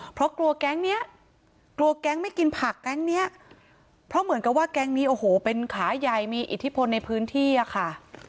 เพราะกลัวแก๊งเนี้ยกลัวแก๊งไม่กินผักแก๊งเนี้ยเพราะเหมือนกับว่าแก๊งนี้โอ้โหเป็นขาใหญ่มีอิทธิพลในพื้นที่อะค่ะ